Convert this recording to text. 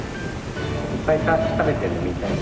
いっぱい食べてるの見たい。